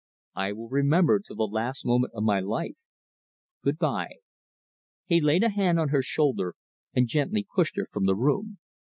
I will remember till the last moment of my life. Good bye." He laid a hand on her shoulder and gently pushed her from the room.